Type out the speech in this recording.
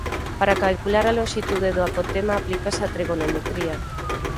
Para calcular a lonxitude do apotema aplícase a trigonometría.